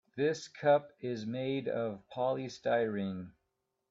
This cup is made of polystyrene.